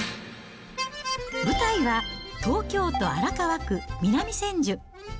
舞台は東京都荒川区南千住。